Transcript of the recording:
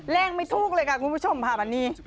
แล้งไม่ทุกเลยค่ะคุณผู้ชมภาพอันนี้